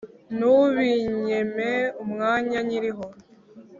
ntubinyime umwanya nkiriho